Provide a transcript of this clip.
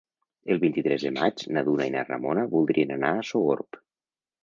El vint-i-tres de maig na Duna i na Ramona voldrien anar a Sogorb.